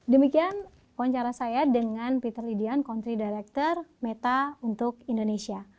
demikian wawancara saya dengan peter lidian country director meta untuk indonesia